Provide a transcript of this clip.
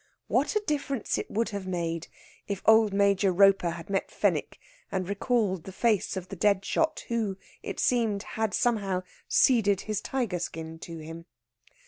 What a difference it would have made if old Major Roper had met Fenwick and recalled the face of the dead shot who, it seemed, had somehow ceded his tiger skin to him.